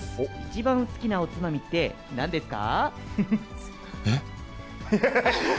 一番好きなおつまみってなんですか？